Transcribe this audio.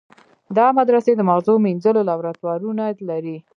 دا مدرسې د مغزو مینځلو لابراتوارونه لري.